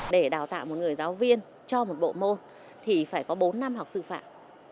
để đào tạo một người giáo viên cho một bộ môn thì phải có bốn năm học sư phạm